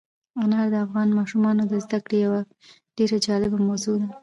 انار د افغان ماشومانو د زده کړې یوه ډېره جالبه موضوع ده.